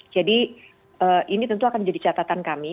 jadi ini tentu akan jadi catatan kami